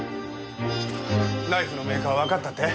ナイフのメーカーわかったって？